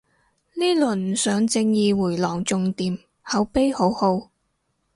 呢輪上正義迴廊仲掂，口碑好好